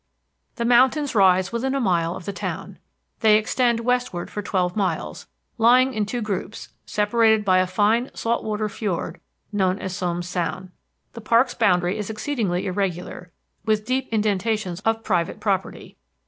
The mountains rise within a mile of the town. They extend westward for twelve miles, lying in two groups, separated by a fine salt water fiord known as Somes Sound. The park's boundary is exceedingly irregular, with deep indentations of private property.